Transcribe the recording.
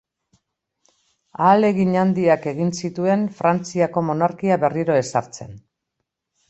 Ahalegin handiak egin zituen Frantziako monarkia berriro ezartzen.